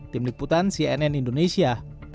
tim liputan cnn indonesia